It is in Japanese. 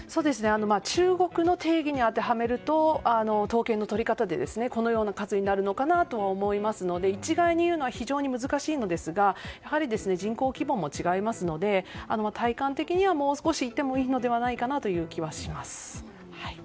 中国の定義に当てはめると統計の取り方でこのような数になるのかなとは思いますので一概に言うのは非常に難しいのですがやはり人口規模も違いますので体感的には、もう少しいってもいいのかなという気はします。